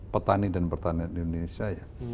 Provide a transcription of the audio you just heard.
petani dan pertanian di indonesia ya